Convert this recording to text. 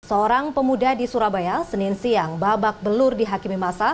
seorang pemuda di surabaya senin siang babak belur di hakimi masa